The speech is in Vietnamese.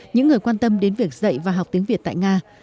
những người quan tâm đến việc dạy và học tiếng việt tại nga